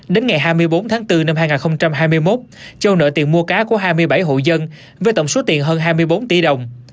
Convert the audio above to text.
đến ngày hai mươi bốn tháng bốn năm hai nghìn hai mươi một châu nợ tiền mua cá của hai mươi bảy hộ dân với tổng số tiền hơn hai mươi bốn tỷ đồng